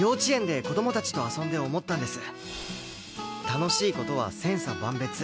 楽しい事は千差万別。